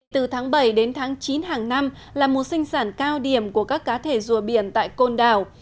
từ tháng bảy đến tháng chín hàng năm là mùa sinh sản cao điểm của các cá thể rùa biển tại côn đảo